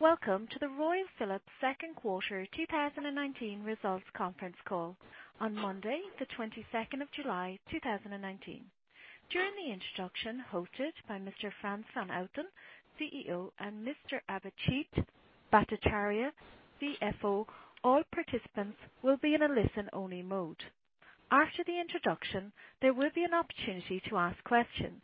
Welcome to the Royal Philips second quarter 2019 results conference call on Monday, the 22nd of July, 2019. During the introduction, hosted by Mr. Frans van Houten, CEO, and Mr. Abhijit Bhattacharya, CFO, all participants will be in a listen-only mode. After the introduction, there will be an opportunity to ask questions.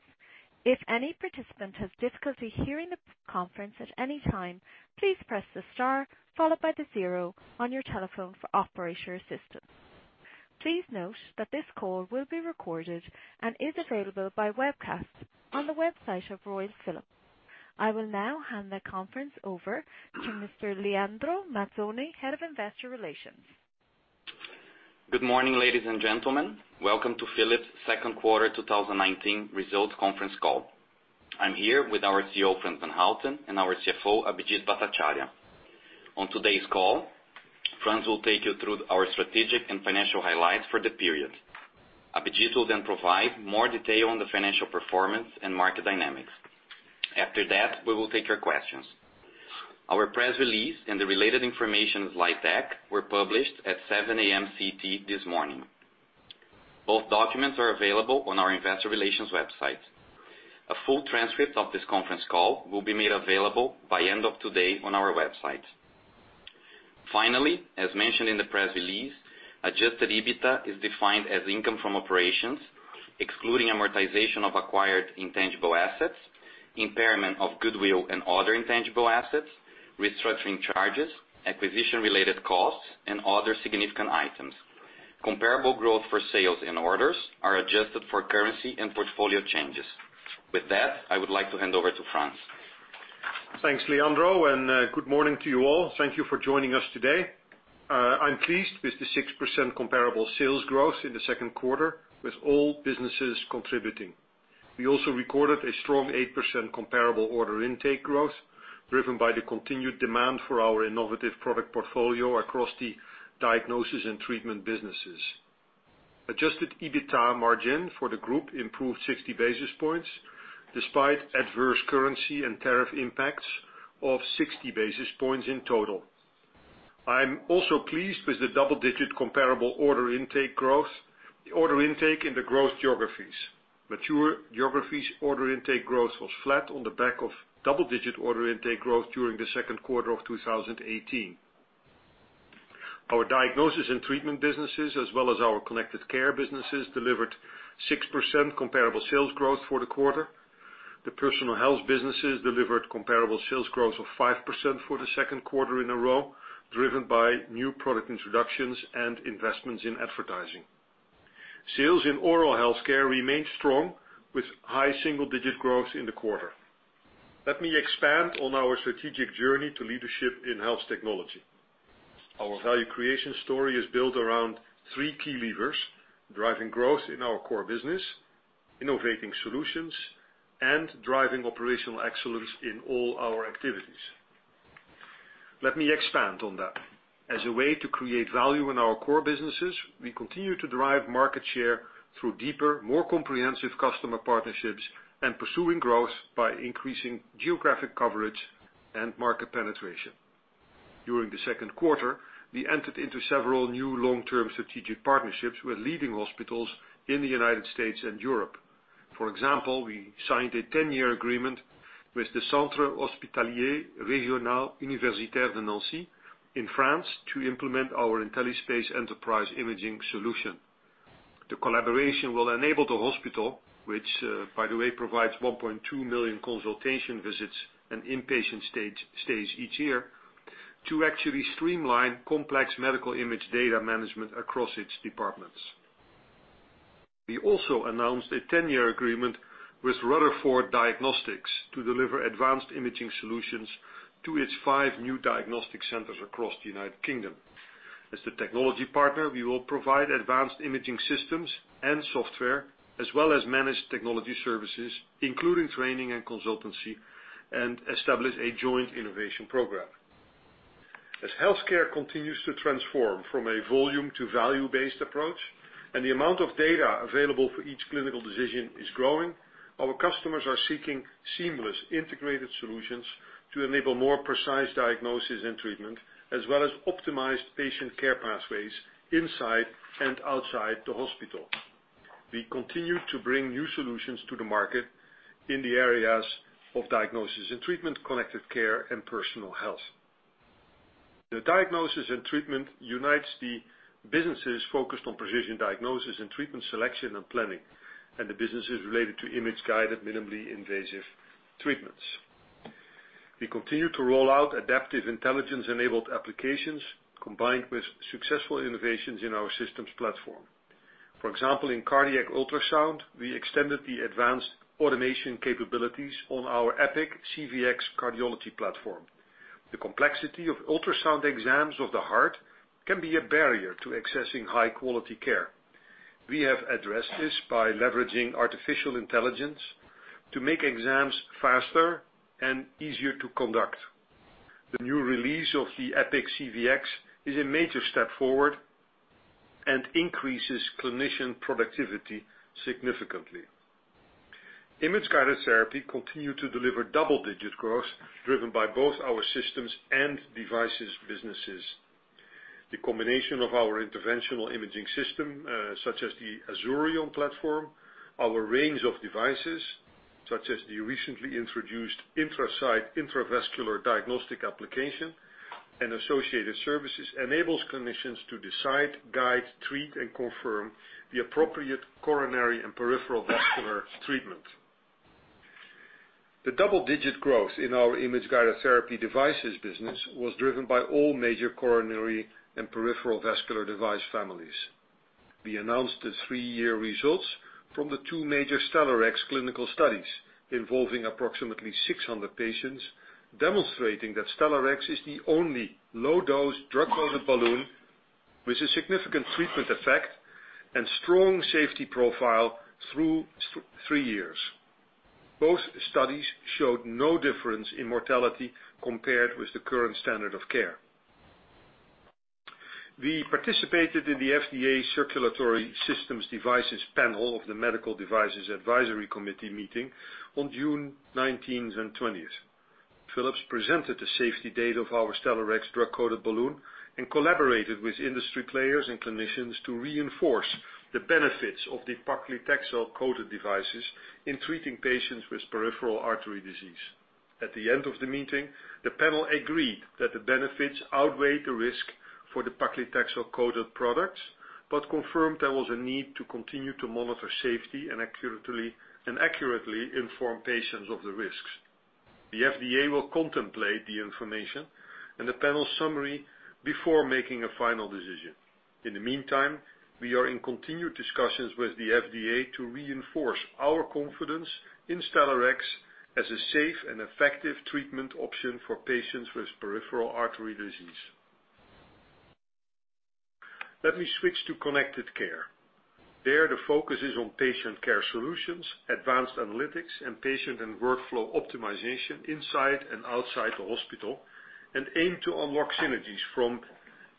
If any participant has difficulty hearing the conference at any time, please press the star followed by the zero on your telephone for operator assistance. Please note that this call will be recorded and is available by webcast on the website of Royal Philips. I will now hand the conference over to Mr. Leandro Mazzoni, Head of Investor Relations. Good morning, ladies and gentlemen. Welcome to Philips' second quarter 2019 results conference call. I am here with our CEO, Frans van Houten, and our CFO, Abhijit Bhattacharya. On today's call, Frans will take you through our strategic and financial highlights for the period. Abhijit will provide more detail on the financial performance and market dynamics. After that, we will take your questions. Our press release and the related information slide deck were published at 7:00 A.M. CT this morning. Both documents are available on our investor relations website. A full transcript of this conference call will be made available by end of today on our website. Finally, as mentioned in the press release, adjusted EBITDA is defined as income from operations, excluding amortization of acquired intangible assets, impairment of goodwill and other intangible assets, restructuring charges, acquisition-related costs, and other significant items. Comparable growth for sales and orders are adjusted for currency and portfolio changes. With that, I would like to hand over to Frans. Thanks, Leandro, and good morning to you all. Thank you for joining us today. I'm pleased with the 6% comparable sales growth in the second quarter, with all businesses contributing. We also recorded a strong 8% comparable order intake growth driven by the continued demand for our innovative product portfolio across the Diagnosis & Treatment businesses. Adjusted EBITDA margin for the group improved 60 basis points despite adverse currency and tariff impacts of 60 basis points in total. I'm also pleased with the double-digit comparable order intake growth, the order intake in the growth geographies. Mature geographies order intake growth was flat on the back of double-digit order intake growth during the second quarter of 2018. Our Diagnosis & Treatment businesses, as well as our Connected Care businesses, delivered 6% comparable sales growth for the quarter. The personal health businesses delivered comparable sales growth of 5% for the second quarter in a row, driven by new product introductions and investments in advertising. Sales in oral health care remained strong with high single-digit growth in the quarter. Let me expand on our strategic journey to leadership in health technology. Our value creation story is built around three key levers: driving growth in our core business, innovating solutions, and driving operational excellence in all our activities. Let me expand on that. As a way to create value in our core businesses, we continue to drive market share through deeper, more comprehensive customer partnerships and pursuing growth by increasing geographic coverage and market penetration. During the second quarter, we entered into several new long-term strategic partnerships with leading hospitals in the United States and Europe. For example, we signed a 10 year agreement with the Centre Hospitalier Régional Universitaire de Nancy in France to implement our IntelliSpace enterprise imaging solution. The collaboration will enable the hospital, which by the way, provides 1.2 million consultation visits and inpatient stays each year, to actually streamline complex medical image data management across its departments. We also announced a 10-year agreement with Rutherford Diagnostics to deliver advanced imaging solutions to its five new diagnostic centers across the United Kingdom. As the technology partner, we will provide advanced imaging systems and software, as well as managed technology services, including training and consultancy, and establish a joint innovation program. As healthcare continues to transform from a volume to value-based approach, and the amount of data available for each clinical decision is growing, our customers are seeking seamless integrated solutions to enable more precise diagnosis and treatment, as well as optimized patient care pathways inside and outside the hospital. We continue to bring new solutions to the market in the areas of diagnosis and treatment, connected care, and personal health. The diagnosis and treatment unites the businesses focused on precision diagnosis and treatment selection and planning, and the businesses related to image-guided, minimally invasive treatments. We continue to roll out adaptive intelligence-enabled applications combined with successful innovations in our systems platform. For example, in cardiac ultrasound, we extended the advanced automation capabilities on our EPIQ CVx cardiology platform. The complexity of ultrasound exams of the heart can be a barrier to accessing high-quality care. We have addressed this by leveraging artificial intelligence to make exams faster and easier to conduct. The new release of the EPIQ CVx is a major step forward and increases clinician productivity significantly. Image-Guided Therapy continued to deliver double-digit growth, driven by both our systems and devices businesses. The combination of our interventional imaging system, such as the Azurion platform, our range of devices, such as the recently introduced IntraSight intravascular diagnostic application, and associated services, enables clinicians to decide, guide, treat, and confirm the appropriate coronary and peripheral vascular treatment. The double-digit growth in our Image-Guided Therapy devices business was driven by all major coronary and peripheral vascular device families. We announced the three-year results from the two major Stellarex clinical studies, involving approximately 600 patients, demonstrating that Stellarex is the only low-dose drug-coated balloon with a significant treatment effect and strong safety profile through three years. Both studies showed no difference in mortality compared with the current standard of care. We participated in the FDA Circulatory System Devices panel of the Medical Devices Advisory Committee meeting on June 19th and 20th. Philips presented the safety data of our Stellarex drug-coated balloon, and collaborated with industry players and clinicians to reinforce the benefits of the paclitaxel-coated devices in treating patients with peripheral artery disease. At the end of the meeting, the panel agreed that the benefits outweigh the risk for the paclitaxel-coated products, but confirmed there was a need to continue to monitor safety and accurately inform patients of the risks. The FDA will contemplate the information and the panel summary before making a final decision. In the meantime, we are in continued discussions with the FDA to reinforce our confidence in Stellarex as a safe and effective treatment option for patients with peripheral artery disease. Let me switch to connected care. There, the focus is on patient care solutions, advanced analytics, and patient and workflow optimization inside and outside the hospital, and aim to unlock synergies from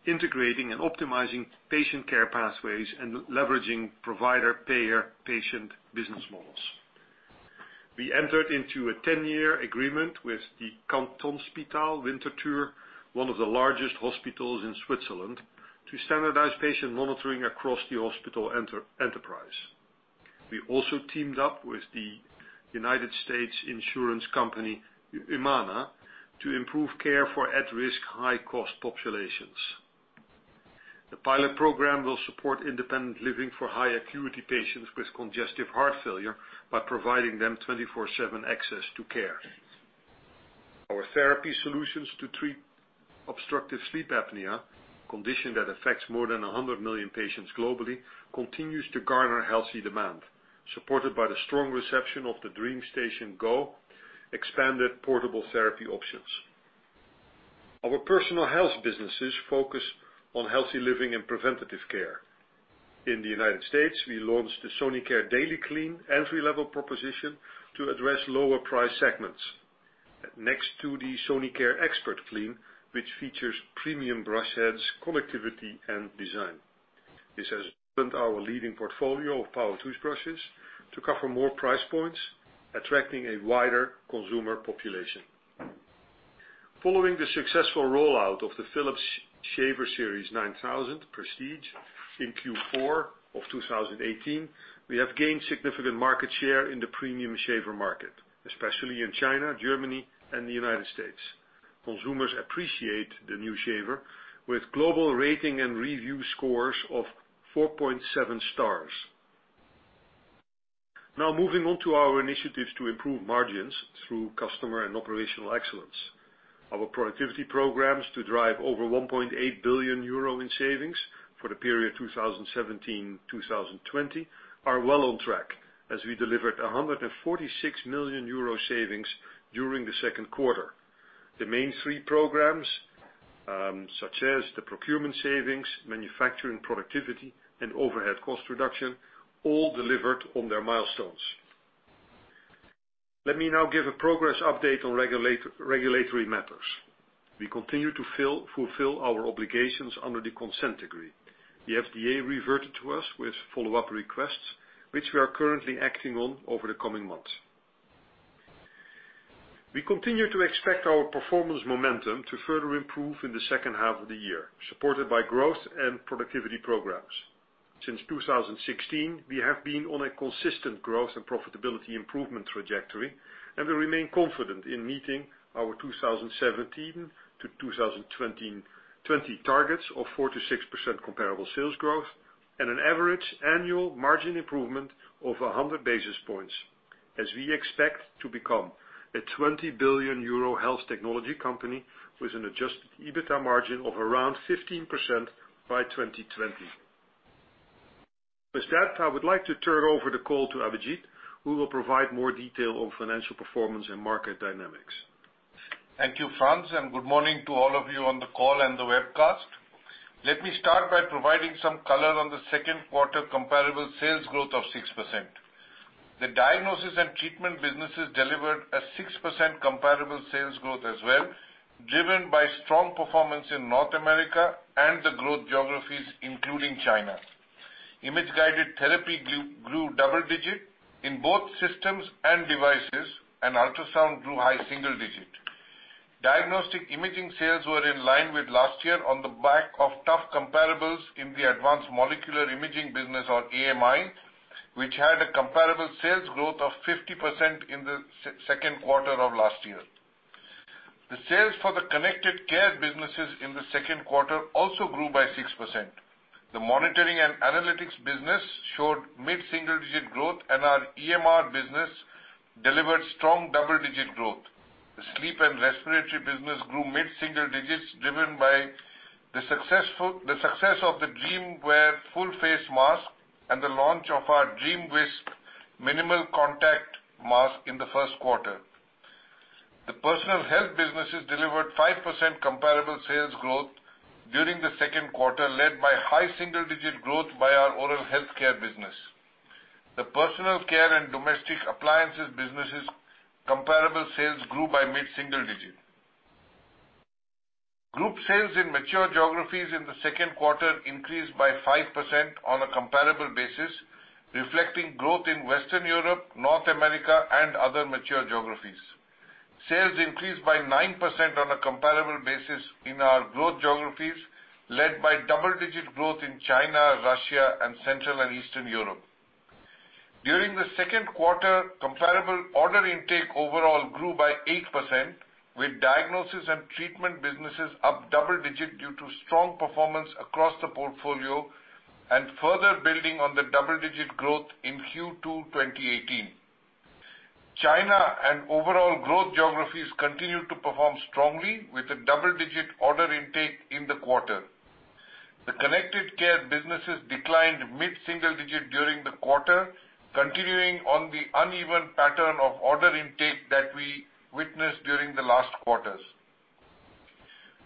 integrating and optimizing patient care pathways, and leveraging provider-payer-patient business models. We entered into a 10 year agreement with the Kantonsspital Winterthur, one of the largest hospitals in Switzerland, to standardize patient monitoring across the hospital enterprise. We also teamed up with the United States insurance company, Humana, to improve care for at-risk, high-cost populations. The pilot program will support independent living for high-acuity patients with congestive heart failure, by providing them 24/7 access to care. Our therapy solutions to treat obstructive sleep apnea, a condition that affects more than 100 million patients globally, continues to garner healthy demand, supported by the strong reception of the DreamStation Go expanded portable therapy options. Our personal health businesses focus on healthy living and preventative care. In the United States, we launched the Sonicare DailyClean entry-level proposition to address lower price segments. Next to the Sonicare ExpertClean, which features premium brush heads, connectivity, and design. This has opened our leading portfolio of power toothbrushes to cover more price points, attracting a wider consumer population. Following the successful rollout of the Philips Shaver Series 9000 Prestige in Q4 of 2018, we have gained significant market share in the premium shaver market, especially in China, Germany, and the United States. Consumers appreciate the new shaver, with global rating and review scores of 4.7 stars. Moving on to our initiatives to improve margins through customer and operational excellence. Our productivity programs to drive over 1.8 billion euro in savings for the period 2017-2020 are well on track, as we delivered 146 million euro savings during the second quarter. The main three programs, such as the procurement savings, manufacturing productivity, and overhead cost reduction, all delivered on their milestones. Let me now give a progress update on regulatory matters. We continue to fulfill our obligations under the consent decree. The FDA reverted to us with follow-up requests, which we are currently acting on over the coming months. We continue to expect our performance momentum to further improve in the second half of the year, supported by growth and productivity programs. Since 2016, we have been on a consistent growth and profitability improvement trajectory, and we remain confident in meeting our 2017 to 2020 targets of 4%-6% comparable sales growth, and an average annual margin improvement of 100 basis points, as we expect to become a 20 billion euro health technology company with an adjusted EBITDA margin of around 15% by 2020. With that, I would like to turn over the call to Abhijit, who will provide more detail on financial performance and market dynamics. Thank you, Frans, good morning to all of you on the call and the webcast. Let me start by providing some color on the second quarter comparable sales growth of 6%. The Diagnosis & Treatment businesses delivered a 6% comparable sales growth as well, driven by strong performance in North America and the growth geographies, including China. Image-Guided Therapy grew double digit in both systems and devices, and ultrasound grew high single digit. Diagnostic Imaging sales were in line with last year on the back of tough comparables in the Advanced Molecular Imaging business or AMI, which had a comparable sales growth of 50% in the second quarter of last year. The sales for the Connected Care businesses in the second quarter also grew by 6%. The monitoring and analytics business showed mid-single digit growth, and our EMR business delivered strong double-digit growth. The Sleep & Respiratory business grew mid-single digits, driven by the success of the DreamWear full face mask and the launch of our DreamWisp minimal contact mask in the first quarter. The Personal Health businesses delivered 5% comparable sales growth during the second quarter, led by high single-digit growth by our Oral Health Care business. The Personal Care and Domestic Appliances businesses comparable sales grew by mid-single digit. Group sales in mature geographies in the second quarter increased by 5% on a comparable basis, reflecting growth in Western Europe, North America, and other mature geographies. Sales increased by 9% on a comparable basis in our growth geographies, led by double-digit growth in China, Russia, and Central and Eastern Europe. During the second quarter, comparable order intake overall grew by 8%, with Diagnosis & Treatment businesses up double-digit due to strong performance across the portfolio and further building on the double-digit growth in Q2 2018. China and overall growth geographies continued to perform strongly with a double-digit order intake in the quarter. The Connected Care businesses declined mid-single digit during the quarter, continuing on the uneven pattern of order intake that we witnessed during the last quarters.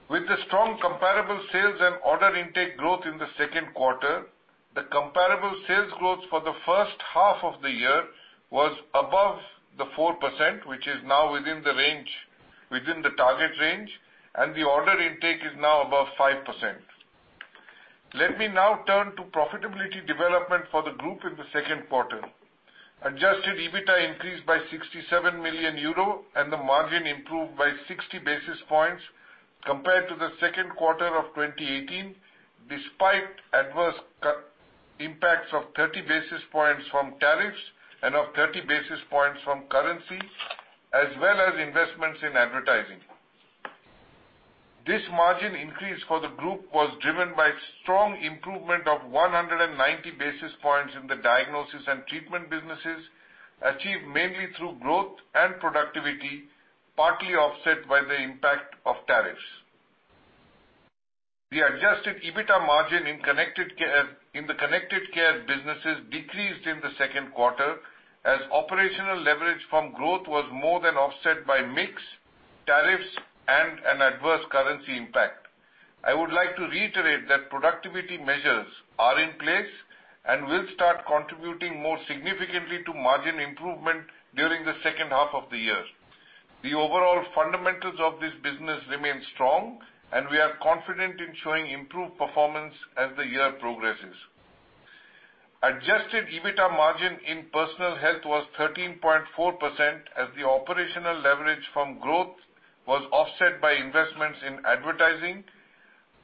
With the strong comparable sales and order intake growth in the second quarter, the comparable sales growth for the first half of the year was above the 4%, which is now within the target range, and the order intake is now above 5%. Let me now turn to profitability development for the group in the second quarter. Adjusted EBITDA increased by 67 million euro, and the margin improved by 60 basis points compared to the second quarter of 2018, despite adverse impacts of 30 basis points from tariffs and of 30 basis points from currency, as well as investments in advertising. This margin increase for the group was driven by strong improvement of 190 basis points in the Diagnosis & Treatment businesses, achieved mainly through growth and productivity, partly offset by the impact of tariffs. The adjusted EBITDA margin in the Connected Care businesses decreased in the second quarter, as operational leverage from growth was more than offset by mix, tariffs, and an adverse currency impact. I would like to reiterate that productivity measures are in place and will start contributing more significantly to margin improvement during the second half of the year. The overall fundamentals of this business remain strong, and we are confident in showing improved performance as the year progresses. adjusted EBITDA margin in Personal Health was 13.4% as the operational leverage from growth was offset by investments in advertising,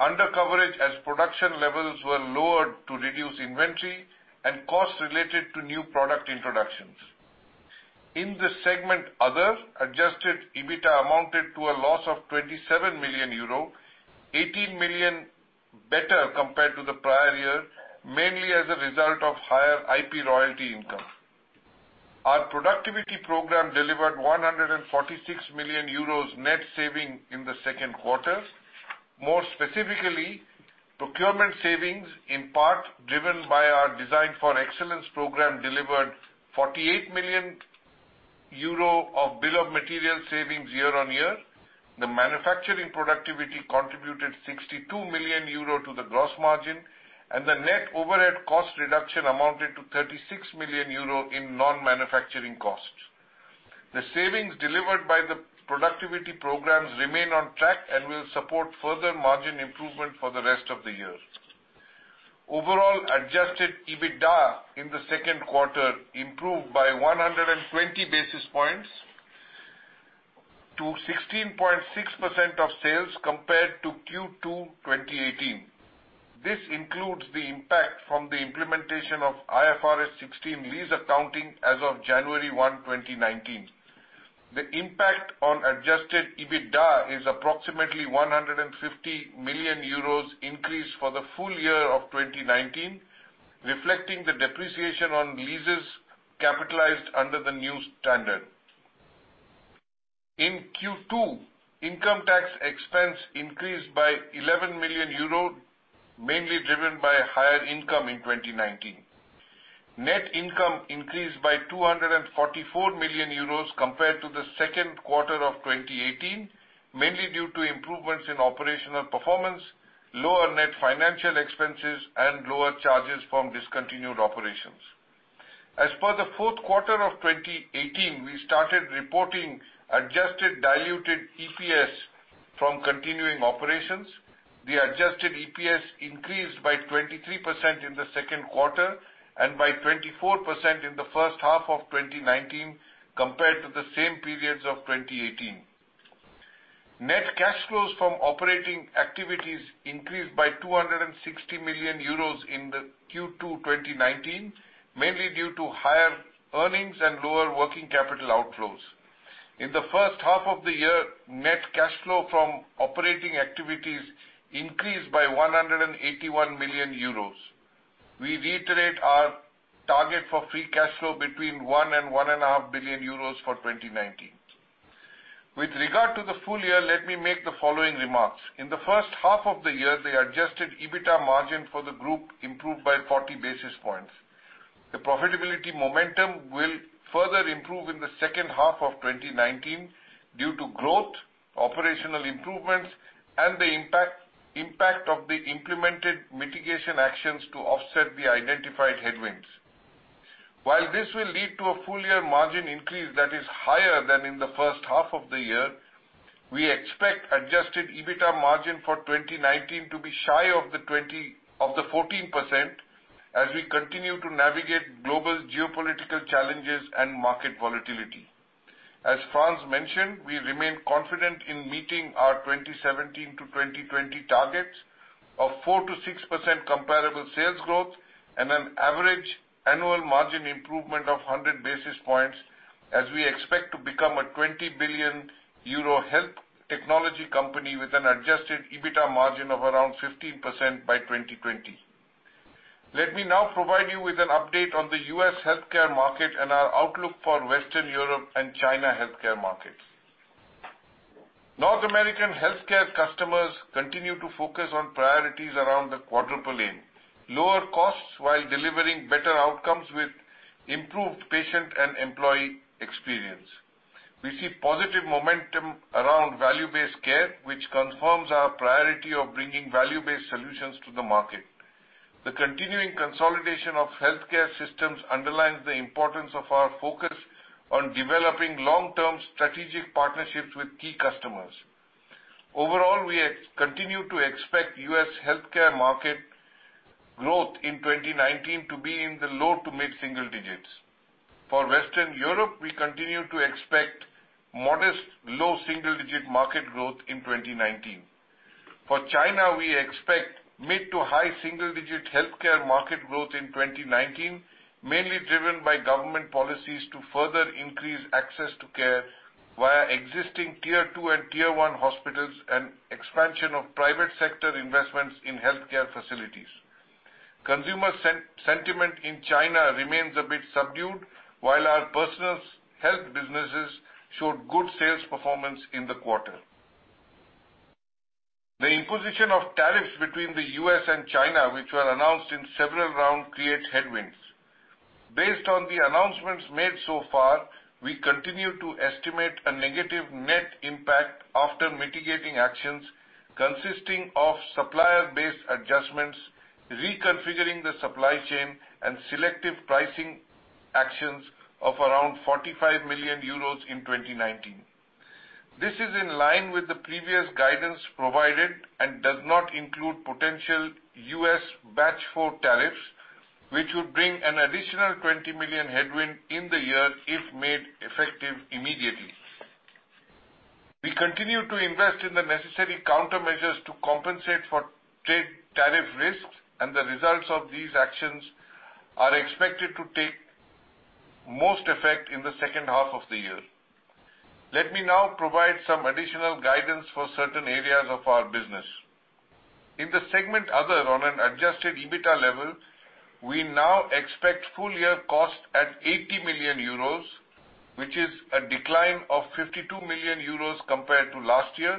undercoverage as production levels were lowered to reduce inventory, and costs related to new product introductions. In the segment other, adjusted EBITDA amounted to a loss of 27 million euro, 18 million better compared to the prior year, mainly as a result of higher IP royalty income. Our productivity program delivered 146 million euros net saving in the second quarter. More specifically, procurement savings, in part driven by our Design for Excellence program, delivered 48 million euro of bill of material savings year-on-year. The manufacturing productivity contributed 62 million euro to the gross margin, and the net overhead cost reduction amounted to 36 million euro in non-manufacturing costs. The savings delivered by the productivity programs remain on track and will support further margin improvement for the rest of the year. Overall, adjusted EBITDA in the second quarter improved by 120 basis points to 16.6% of sales compared to Q2 2018. This includes the impact from the implementation of IFRS 16 lease accounting as of January 1, 2019. The impact on adjusted EBITDA is approximately 150 million euros increase for the full year of 2019, reflecting the depreciation on leases capitalized under the new standard. In Q2, income tax expense increased by 11 million euro, mainly driven by higher income in 2019. Net income increased by 244 million euros compared to the second quarter of 2018, mainly due to improvements in operational performance, lower net financial expenses and lower charges from discontinued operations. As per the fourth quarter of 2018, we started reporting adjusted diluted EPS from continuing operations. The adjusted EPS increased by 23% in the second quarter and by 24% in the first half of 2019 compared to the same periods of 2018. Net cash flows from operating activities increased by 260 million euros in the Q2 2019, mainly due to higher earnings and lower working capital outflows. In the first half of the year, net cash flow from operating activities increased by 181 million euros. We reiterate our target for free cash flow between 1 billion euros and 1.5 billion euros for 2019. With regard to the full year, let me make the following remarks. In the first half of the year, the adjusted EBITDA margin for the group improved by 40 basis points. The profitability momentum will further improve in the second half of 2019 due to growth, operational improvements, and the impact of the implemented mitigation actions to offset the identified headwinds. While this will lead to a full-year margin increase that is higher than in the first half of the year, we expect adjusted EBITDA margin for 2019 to be shy of the 14% as we continue to navigate global geopolitical challenges and market volatility. As Frans mentioned, we remain confident in meeting our 2017-2020 targets of 4%-6% comparable sales growth and an average annual margin improvement of 100 basis points as we expect to become a 20 billion euro health technology company with an adjusted EBITDA margin of around 15% by 2020. Let me now provide you with an update on the U.S. healthcare market and our outlook for Western Europe and China healthcare markets. North American healthcare customers continue to focus on priorities around the Quadruple Aim. Lower costs while delivering better outcomes with improved patient and employee experience. We see positive momentum around value-based care, which confirms our priority of bringing value-based solutions to the market. The continuing consolidation of healthcare systems underlines the importance of our focus on developing long-term strategic partnerships with key customers. Overall, we continue to expect U.S. healthcare market growth in 2019 to be in the low to mid single digits. For Western Europe, we continue to expect modest low single-digit market growth in 2019. For China, we expect mid to high single-digit healthcare market growth in 2019, mainly driven by government policies to further increase access to care via existing tier two and tier one hospitals and expansion of private sector investments in healthcare facilities. Consumer sentiment in China remains a bit subdued, while our Personal Health businesses showed good sales performance in the quarter. The imposition of tariffs between the U.S. and China, which were announced in several rounds, creates headwinds. Based on the announcements made so far, we continue to estimate a negative net impact after mitigating actions consisting of supplier-based adjustments, reconfiguring the supply chain, and selective pricing actions of around 45 million euros in 2019. This is in line with the previous guidance provided and does not include potential U.S. batch four tariffs, which would bring an additional 20 million headwind in the year if made effective immediately. We continue to invest in the necessary countermeasures to compensate for trade tariff risks, and the results of these actions are expected to take most effect in the second half of the year. Let me now provide some additional guidance for certain areas of our business. In the segment Other, on an adjusted EBITDA level, we now expect full-year cost at 80 million euros, which is a decline of 52 million euros compared to last year,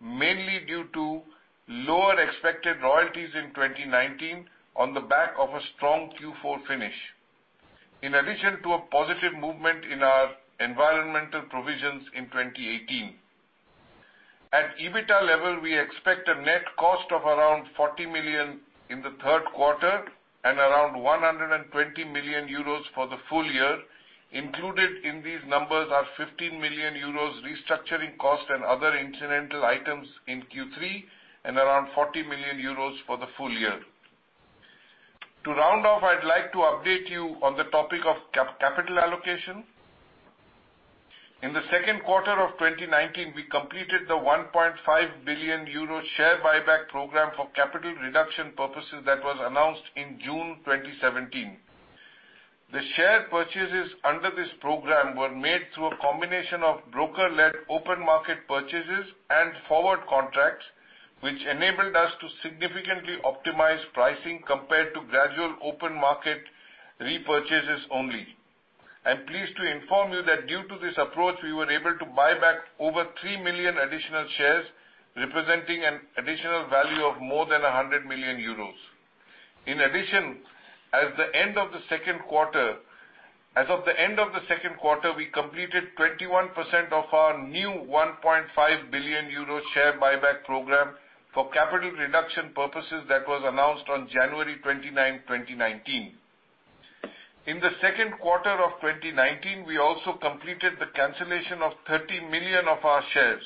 mainly due to lower expected royalties in 2019 on the back of a strong Q4 finish, in addition to a positive movement in our environmental provisions in 2018. At EBITDA level, we expect a net cost of around 40 million in the third quarter and around 120 million euros for the full year. Included in these numbers are 15 million euros restructuring cost and other incidental items in Q3, and around 40 million euros for the full year. To round off, I'd like to update you on the topic of capital allocation. In the second quarter of 2019, we completed the 1.5 billion euro share buyback program for capital reduction purposes that was announced in June 2017. The share purchases under this program were made through a combination of broker-led open market purchases and forward contracts, which enabled us to significantly optimize pricing compared to gradual open market repurchases only. I am pleased to inform you that due to this approach, we were able to buy back over 3 million additional shares, representing an additional value of more than 100 million euros. In addition, as of the end of the second quarter, we completed 21% of our new 1.5 billion euro share buyback program for capital reduction purposes that was announced on January 29, 2019. In the second quarter of 2019, we also completed the cancellation of 30 million of our shares.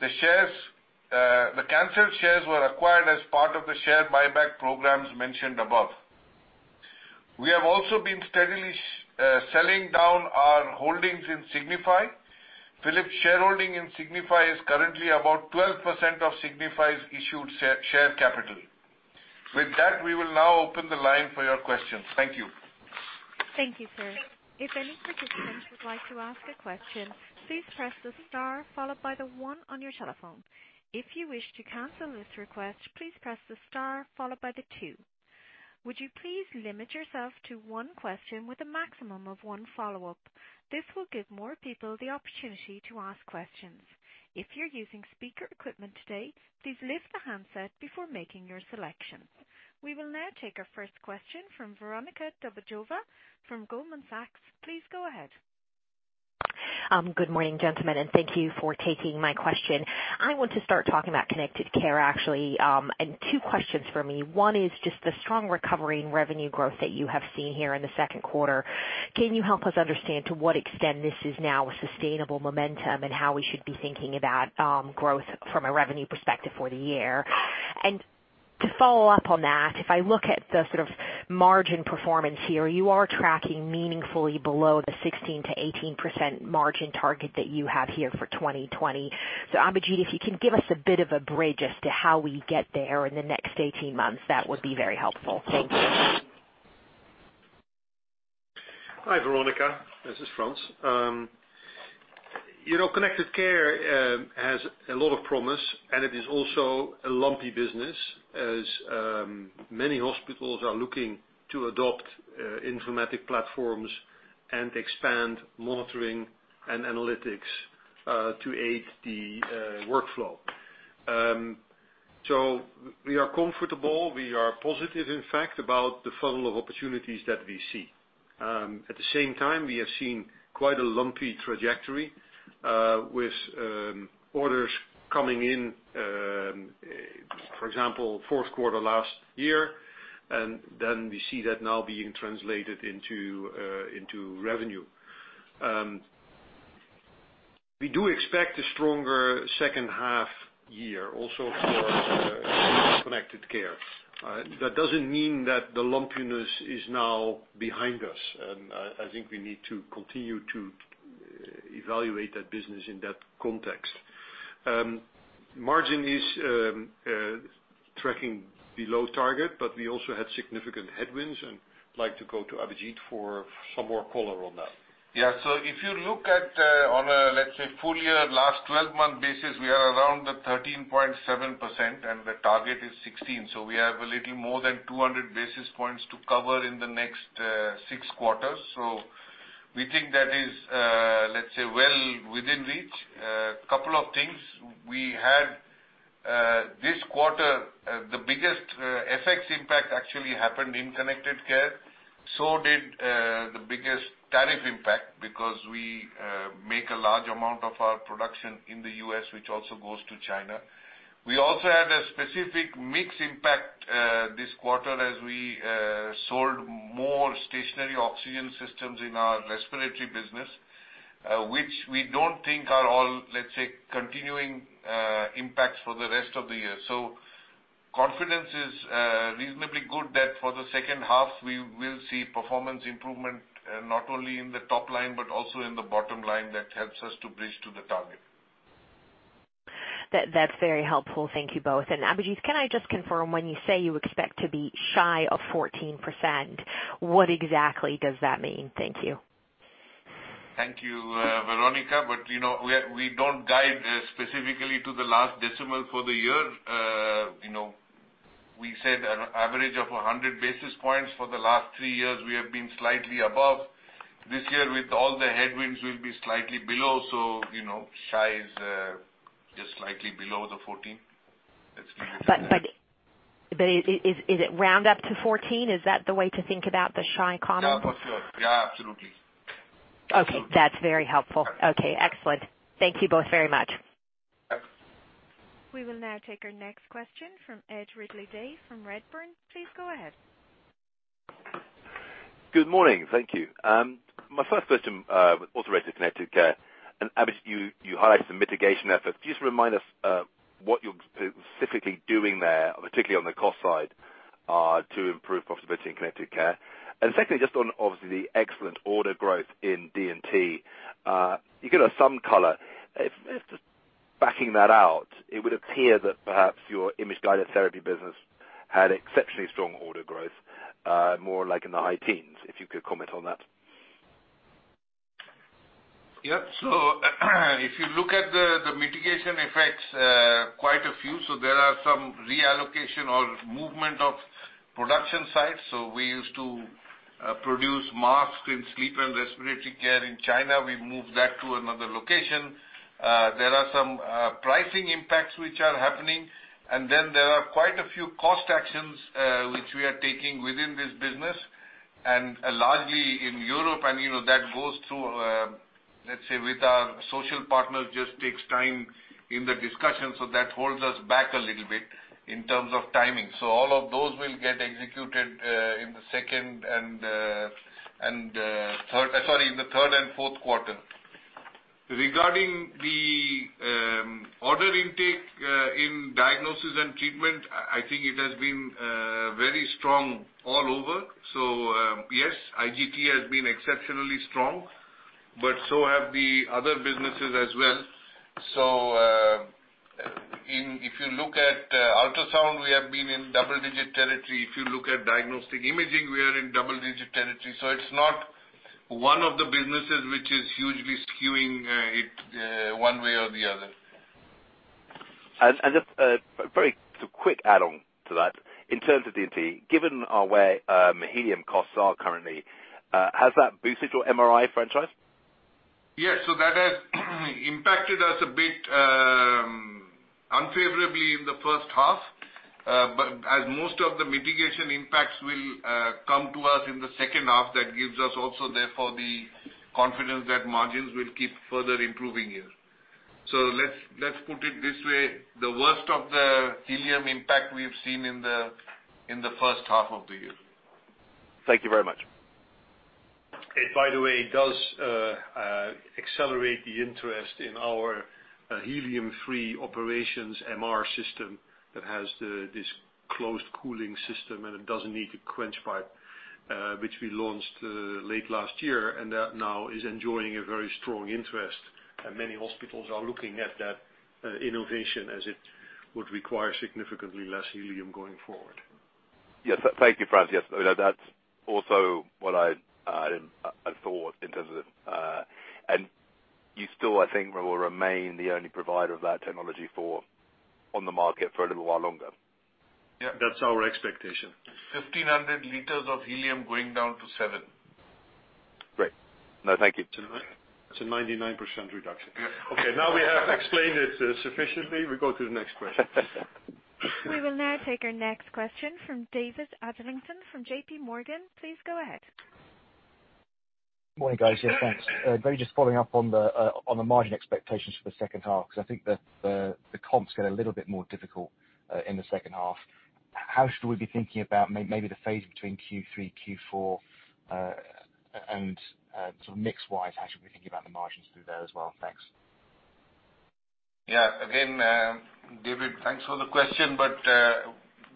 The canceled shares were acquired as part of the share buyback programs mentioned above. We have also been steadily selling down our holdings in Signify. Philips' shareholding in Signify is currently about 12% of Signify's issued share capital. With that, we will now open the line for your questions. Thank you. Thank you, sir. If any participants would like to ask a question, please press the star followed by the one on your telephone. If you wish to cancel this request, please press the star followed by the two. Would you please limit yourself to one question with a maximum of one follow-up? This will give more people the opportunity to ask questions. If you're using speaker equipment today, please lift the handset before making your selection. We will now take our first question from Veronika Dubajova from Goldman Sachs. Please go ahead. Good morning, gentlemen. Thank you for taking my question. I want to start talking about connected care, actually. Two questions for me. One is just the strong recovery in revenue growth that you have seen here in the second quarter. Can you help us understand to what extent this is now a sustainable momentum, and how we should be thinking about growth from a revenue perspective for the year? To follow up on that, if I look at the sort of margin performance here, you are tracking meaningfully below the 16%-18% margin target that you have here for 2020. Abhijit, if you can give us a bit of a bridge as to how we get there in the next 18 months, that would be very helpful. Thank you. Hi, Veronika. This is Frans. Connected care has a lot of promise, it is also a lumpy business as many hospitals are looking to adopt informatic platforms and expand monitoring and analytics to aid the workflow. We are comfortable, we are positive, in fact, about the funnel of opportunities that we see. At the same time, we have seen quite a lumpy trajectory, with orders coming in, for example, fourth quarter last year, then we see that now being translated into revenue. We do expect a stronger second half year also for connected care. That doesn't mean that the lumpiness is now behind us. I think we need to continue to evaluate that business in that context. Margin is tracking below target, we also had significant headwinds and like to go to Abhijit for some more color on that. If you look at on a, let's say full year, last 12-month basis, we are around the 13.7% and the target is 16%. We have a little more than 200 basis points to cover in the next six quarters. We think that is, let's say, well within reach. Couple of things. We had this quarter, the biggest effects impact actually happened in Connected Care. Did the biggest tariff impact because we make a large amount of our production in the U.S., which also goes to China. We also had a specific mix impact, this quarter as we sold more stationary oxygen systems in our Respiratory business, which we don't think are all, let's say, continuing impacts for the rest of the year. Confidence is reasonably good that for the second half, we will see performance improvement, not only in the top line, but also in the bottom line that helps us to bridge to the target. That's very helpful. Thank you both. Abhijit, can I just confirm when you say you expect to be shy of 14%, what exactly does that mean? Thank you. Thank you, Veronika. We don't guide specifically to the last decimal for the year. We said an average of 100 basis points for the last three years, we have been slightly above. This year with all the headwinds, we'll be slightly below. Shy is just slightly below the 14%. Let's keep it at that. Is it round up to 14%? Is that the way to think about the shy comment? Yeah, for sure. Yeah, absolutely. That's very helpful. Okay, excellent. Thank you both very much. We will now take our next question from Ed Ridley-Day from Redburn. Please go ahead. Good morning. Thank you. My first question, also related to Connected Care. Abhijit, you highlighted some mitigation efforts. Just remind us, what you're specifically doing there, particularly on the cost side, to improve profitability in Connected Care. Secondly, just on obviously the excellent order growth in D&T. You gave us some color. If just backing that out, it would appear that perhaps your Image-Guided Therapy business had exceptionally strong order growth, more like in the high teens, if you could comment on that? If you look at the mitigation effects, quite a few. So there are some reallocation or movements of production site, we used to produce masks in Sleep & Respiratory Care in China, we moved that to another location. There are some pricing impacts which are happening, there are quite a few cost actions which we are taking within this business, and largely in Europe. That goes through, let's say, with our social partner, just takes time in the discussion, that holds us back a little bit in terms of timing. All of those will get executed in the third and fourth quarter. Regarding the order intake in Diagnosis & Treatment, I think it has been very strong all over. IGT has been exceptionally strong, but so have the other businesses as well. If you look at ultrasound, we have been in double-digit territory. If you look at diagnostic imaging, we are in double-digit territory. It's not one of the businesses which is hugely skewing it one way or the other. Just a very quick add-on to that. In terms of D&T, given where helium costs are currently, has that boosted your MRI franchise? That has impacted us a bit unfavorably in the first half. As most of the mitigation impacts will come to us in the second half, that gives us also, therefore, the confidence that margins will keep further improving here. Let's put it this way. The worst of the helium impact we have seen in the first half of the year. Thank you very much. If, by the way, does accelerate the interest in our helium-free operations MR system that has this closed cooling system, and it doesn't need a quench pipe. Which we launched late last year, and that now is enjoying a very strong interest, and many hospitals are looking at that innovation as it would require significantly less helium going forward. Thank you, Frans. That's also what I thought. You still, I think, will remain the only provider of that technology on the market for a little while longer. That's our expectation. 1,500 L of helium going down to seven. Great. Thank you. It's a 99% reduction. Now we have explained it sufficiently. We go to the next question. We will now take our next question from David Adlington from JPMorgan. Please go ahead. Morning, guys, thanks. Maybe just following up on the margin expectations for the second half, because I think the comps get a little bit more difficult in the second half. How should we be thinking about maybe the phase between Q3, Q4, and sort of mix-wise, how should we be thinking about the margins through there as well? Thanks. David, thanks for the question.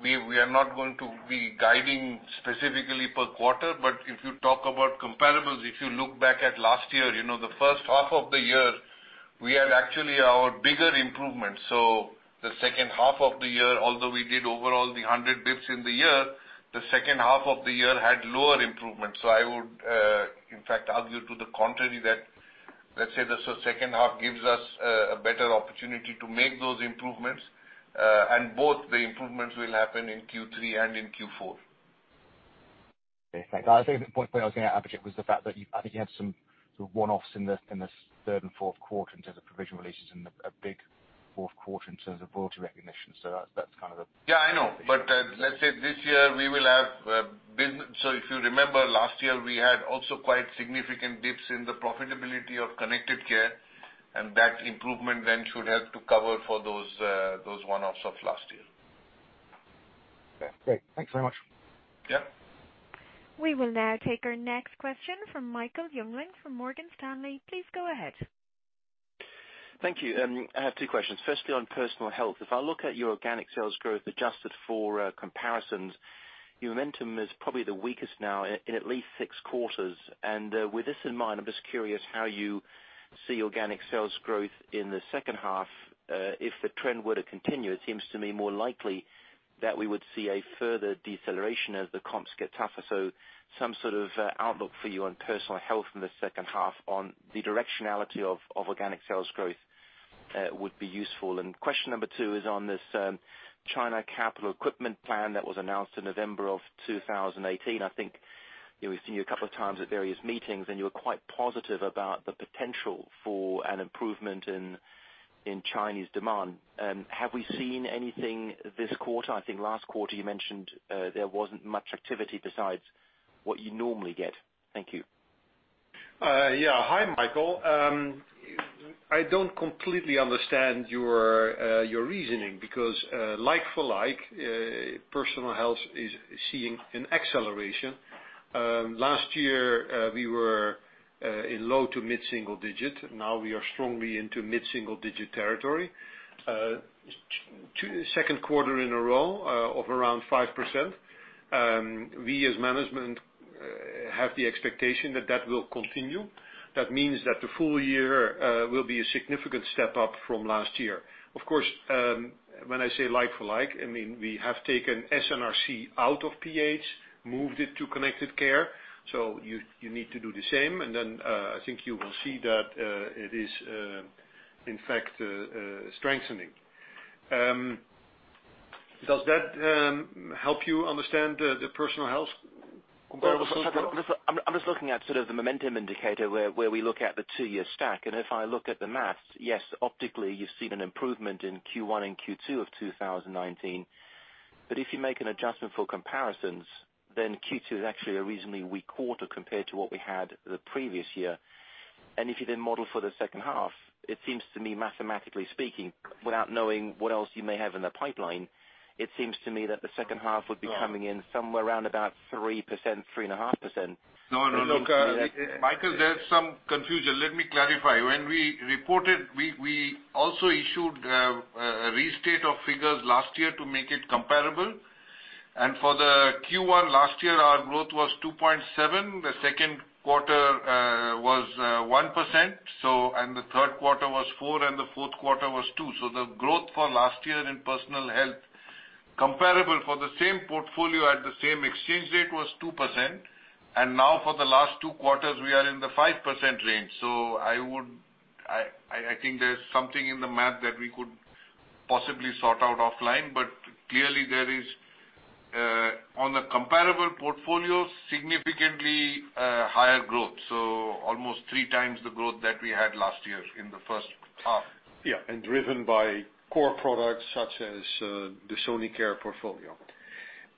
We are not going to be guiding specifically per quarter. If you talk about comparables, if you look back at last year, the first half of the year, we had actually our bigger improvements. The second half of the year, although we did overall the 100 basis points in the year, the second half of the year had lower improvements. I would, in fact, argue to the contrary that, let's say, the second half gives us a better opportunity to make those improvements. Both the improvements will happen in Q3 and in Q4. Thanks. I think the point I was going to add, Abhijit, was the fact that you, I think you had some sort of one-offs in the third and fourth quarter in terms of provision releases and a big fourth quarter in terms of royalty recognition. I know. Let's say this year if you remember last year, we had also quite significant dips in the profitability of Connected Care, and that improvement then should help to cover for those one-offs of last year. Great. Thanks very much. We will now take our next question from Michael Jüngling from Morgan Stanley. Please go ahead. Thank you. I have two questions. Firstly, on personal health, if I look at your organic sales growth adjusted for comparisons, your momentum is probably the weakest now in at least six quarters. With this in mind, I'm just curious how you see organic sales growth in the second half. If the trend were to continue, it seems to me more likely that we would see a further deceleration as the comps get tougher. Some sort of outlook for you on personal health in the second half on the directionality of organic sales growth would be usefu? Question number two is on this China capital equipment plan that was announced in November of 2018. I think we've seen you a couple of times at various meetings, and you were quite positive about the potential for an improvement in Chinese demand. Have we seen anything this quarter? I think last quarter you mentioned there wasn't much activity besides what you normally get. Thank you. Hi, Michael. I don't completely understand your reasoning because like for like, Personal Health is seeing an acceleration. Last year, we were in low to mid-single digit. Now we are strongly into mid-single digit territory. Second quarter in a row of around 5%. We, as management, have the expectation that that will continue. That means that the full year will be a significant step-up from last year. Of course, when I say like for like, we have taken S&RC out of PH, moved it to Connected Care. You need to do the same. I think you will see that it is, in fact, strengthening. Does that help you understand the personal health comparable growth? I'm just looking at sort of the momentum indicator where we look at the two-year stack. If I look at the math's, yes, optically, you've seen an improvement in Q1 and Q2 of 2019. If you make an adjustment for comparisons, then Q2 is actually a reasonably weak quarter compared to what we had the previous year. If you then model for the second half, it seems to me, mathematically speaking, without knowing what else you may have in the pipeline, it seems to me that the second half would be coming in somewhere around about 3%, 3.5%. Michael, there's some confusion. Let me clarify. When we reported, we also issued a restate of figures last year to make it comparable. For the Q1 last year, our growth was 2.7%. The second quarter was 1%, the third quarter was 4%, the fourth quarter was 2%. The growth for last year in Personal Health, comparable for the same portfolio at the same exchange rate, was 2%. Now for the last two quarters, we are in the 5% range. I think there's something in the math that we could possibly sort out offline, clearly there is, on the comparable portfolio, significantly higher growth. Almost three times the growth that we had last year in the first half. Driven by core products such as the Sonicare portfolio.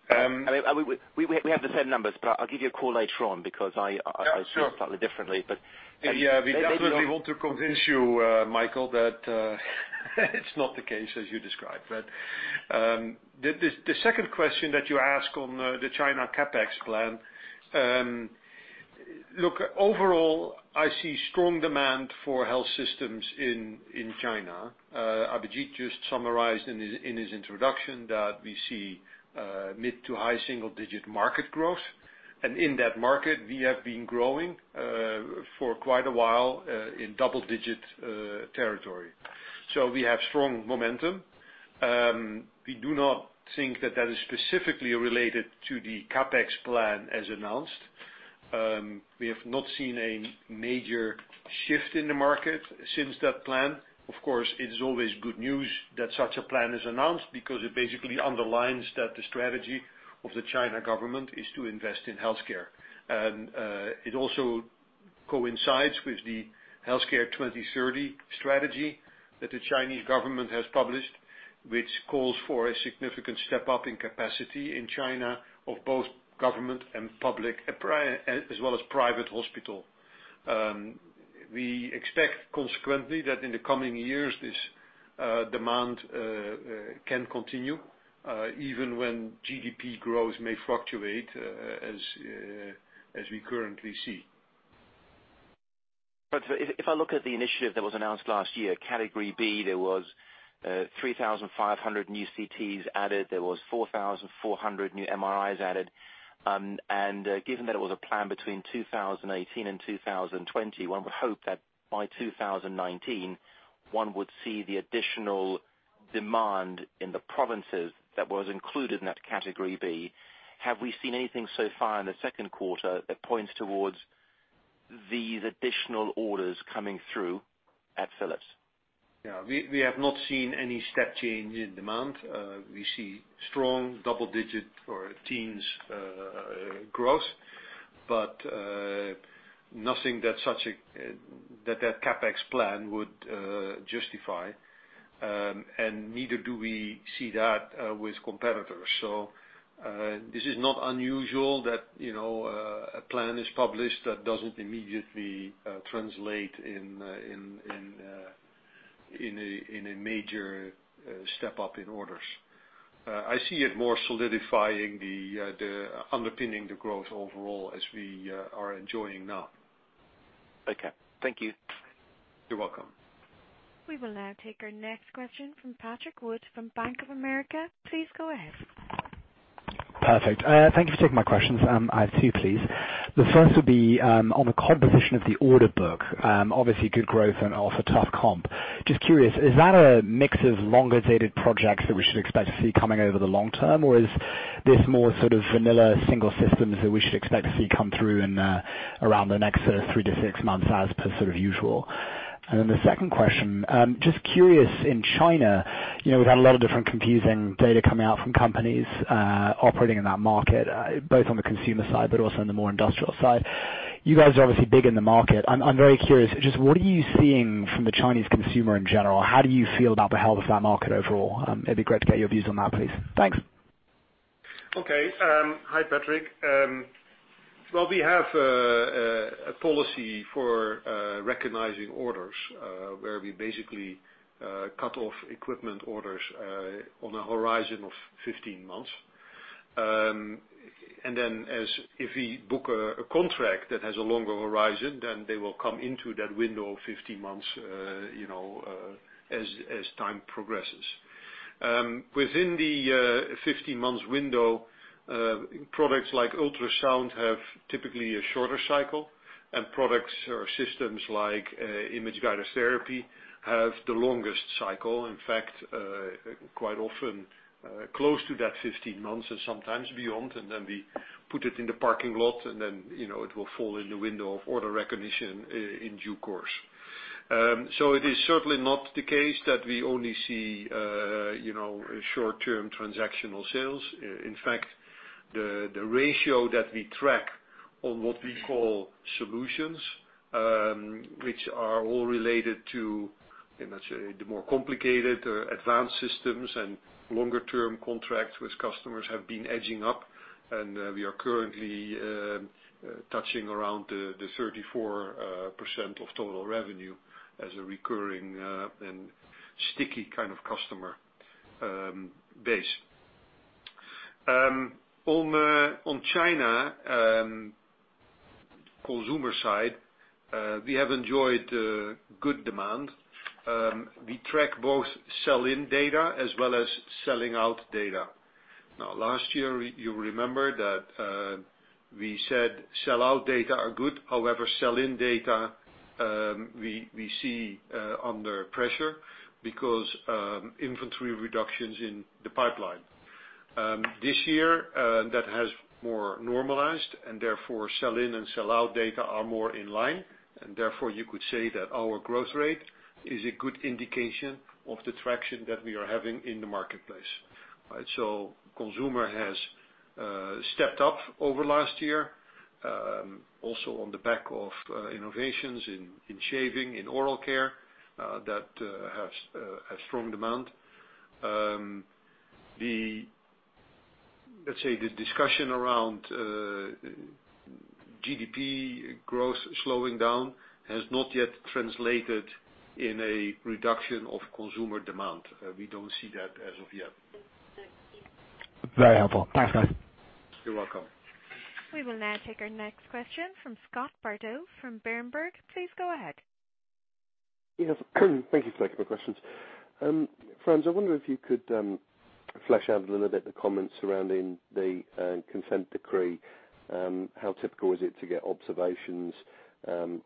We have the same numbers, but I'll give you a call later on see it slightly differently. We definitely want to convince you, Michael, that it's not the case as you described. The second question that you asked on the China CapEx plan. Look, overall, I see strong demand for health systems in China. Abhijit just summarized in his introduction that we see mid to high single-digit market growth. In that market, we have been growing, for quite a while, in double-digit territory. We have strong momentum. We do not think that that is specifically related to the CapEx plan as announced. We have not seen a major shift in the market since that plan. Of course, it is always good news that such a plan is announced because it basically underlines that the strategy of the China government is to invest in healthcare. It also coincides with the Healthcare 2030 strategy that the Chinese government has published, which calls for a significant step up in capacity in China of both government and public, as well as private hospital. We expect consequently, that in the coming years, this demand can continue, even when GDP growth may fluctuate, as we currently see. If I look at the initiative that was announced last year, Category B, there was 3,500 new CTs added. There was 4,400 new MRIs added. Given that it was a plan between 2018 and 2020, one would hope that by 2019, one would see the additional demand in the provinces that was included in that Category B. Have we seen anything so far in the second quarter that points towards these additional orders coming through at Philips? We have not seen any step change in demand. We see strong double-digit or teens growth, but nothing that CapEx plan would justify. Neither do we see that with competitors. This is not unusual that a plan is published that doesn't immediately translate in a major step up in orders. I see it more solidifying the underpinning, the growth overall as we are enjoying now. Thank you. You're welcome. We will now take our next question from Patrick Wood from Bank of America. Please go ahead. Thank you for taking my questions. I have two, please. The first would be, on the composition of the order book. Obviously good growth and also tough comp. Just curious, is that a mix of longer-dated projects that we should expect to see coming over the long term, or is this more sort of vanilla single systems that we should expect to see come through in around the next three to six months as per sort of usual? The second question, just curious, in China, we've had a lot of different confusing data coming out from companies operating in that market, both on the consumer side, but also on the more industrial side. You guys are obviously big in the market. I'm very curious, just what are you seeing from the Chinese consumer in general? How do you feel about the health of that market overall? It'd be great to get your views on that, please. Thanks. Hi, Patrick. Well, we have a policy for recognizing orders, where we basically cut off equipment orders on a horizon of 15 months. If we book a contract that has a longer horizon, then they will come into that window of 15 months as time progresses. Within the 15 months window, products like ultrasound have typically a shorter cycle, and products or systems like Image-Guided Therapy have the longest cycle. In fact, quite often, close to that 15 months and sometimes beyond. We put it in the parking lot, and then it will fall in the window of order recognition, in due course. It is certainly not the case that we only see short-term transactional sales. In fact, the ratio that we track on what we call solutions, which are all related to, let's say, the more complicated advanced systems and longer-term contracts with customers have been edging up. We are currently touching around the 34% of total revenue as a recurring and sticky customer base. On China Consumer side, we have enjoyed good demand. We track both sell-in data as well as sell-out data. Last year, you remember that we said sell-out data are good, however, sell-in data, we see under pressure because inventory reductions in the pipeline. This year, that has more normalized, therefore sell-in and sell-out data are more in line. Therefore you could say that our growth rate is a good indication of the traction that we are having in the marketplace. Consumer has stepped up over last year, also on the back of innovations in shaving, in oral care that has strong demand. Let's say the discussion around GDP growth slowing down has not yet translated in a reduction of consumer demand. We don't see that as of yet. Very helpful. Thanks, Frans. You're welcome. We will now take our next question from Scott Bardo from Berenberg. Please go ahead. Thank you for taking my questions. Frans, I wonder if you could flesh out a little bit the comments surrounding the consent decree. How typical is it to get observations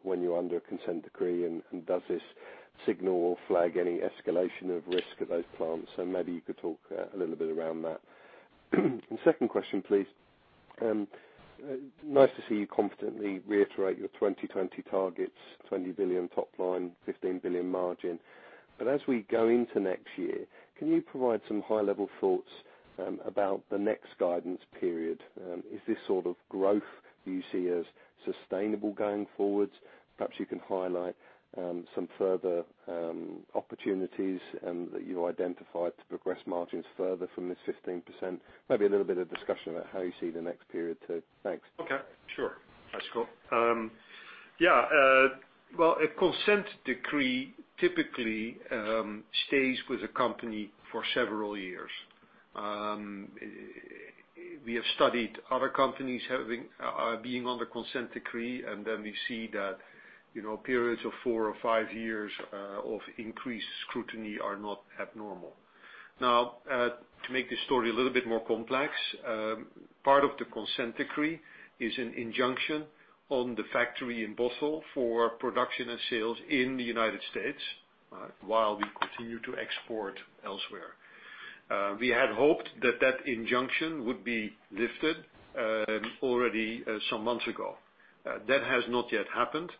when you're under a consent decree? Does this signal or flag any escalation of risk at those plants? Maybe you could talk a little bit around that. Second question, please. Nice to see you confidently reiterate your 2020 targets, 20 billion top line, 15 billion margin. As we go into next year, can you provide some high-level thoughts about the next guidance period? Is this sort of growth you see as sustainable going forward? Perhaps you can highlight some further opportunities that you identified to progress margins further from this 15%. Maybe a little bit of discussion about how you see the next period too. Thanks. Hi, Scott. Well, a consent decree typically stays with a company for several years. We have studied other companies being on the consent decree, and then we see that periods of four or five years of increased scrutiny are not abnormal. Now, to make this story a little bit more complex, part of the consent decree is an injunction on the factory in Boston for production and sales in the United States while we continue to export elsewhere. We had hoped that that injunction would be lifted already some months ago. That has not yet happened,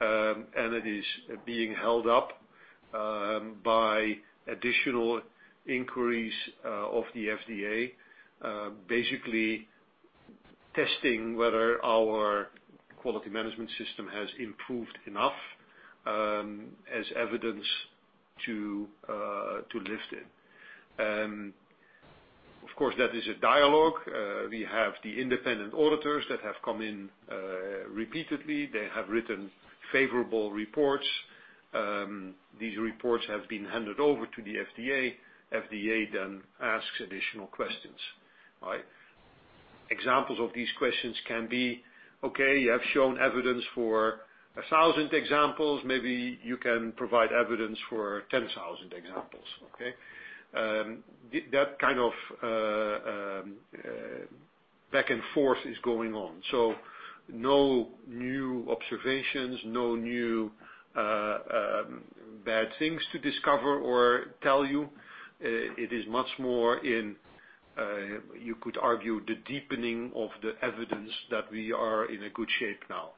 and it is being held up by additional inquiries of the FDA, basically testing whether our quality management system has improved enough as evidence to lift it. Of course, that is a dialogue. We have the independent auditors that have come in repeatedly. They have written favorable reports. These reports have been handed over to the FDA. FDA asks additional questions. Examples of these questions can be, okay, you have shown evidence for 1,000 examples. Maybe you can provide evidence for 10,000 examples. Okay? That kind of back and forth is going on. No new observations, no new bad things to discover or tell you. It is much more in, you could argue, the deepening of the evidence that we are in a good shape now.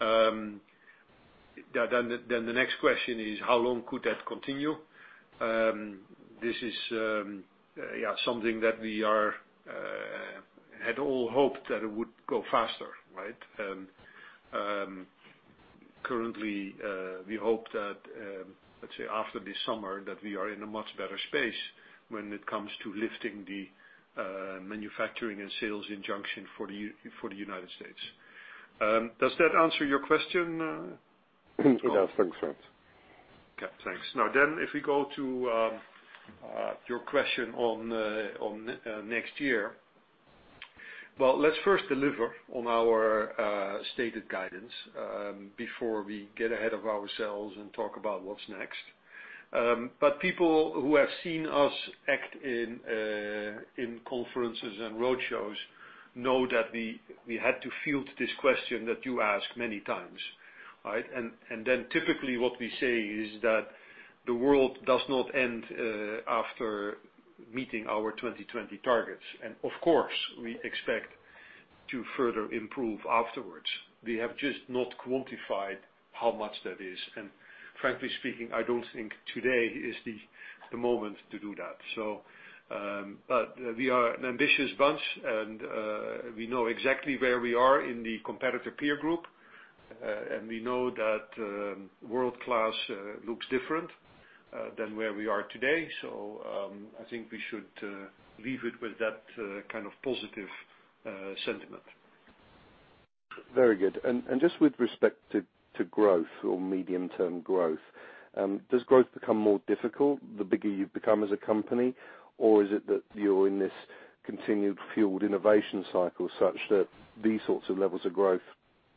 The next question is, how long could that continue? This is something that we had all hoped that it would go faster, right? Currently, we hope that, let's say, after this summer, that we are in a much better space when it comes to lifting the manufacturing and sales injunction for the United States. Does that answer your question, Scott? It does. Thanks, Frans. Thanks. If we go to your question on next year. Well, let's first deliver on our stated guidance before we get ahead of ourselves and talk about what's next. People who have seen us act in conferences and road shows know that we had to field this question that you ask many times. Typically what we say is that the world does not end after meeting our 2020 targets. Of course, we expect to further improve afterwards. We have just not quantified how much that is. Frankly speaking, I don't think today is the moment to do that. We are an ambitious bunch and we know exactly where we are in the competitor peer group. We know that world-class looks different than where we are today, I think we should leave it with that kind of positive sentiment. Very good. Just with respect to growth or medium-term growth, does growth become more difficult the bigger you've become as a company, or is it that you're in this continued fueled innovation cycle such that these sorts of levels of growth